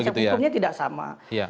secara angka kutubnya tidak sama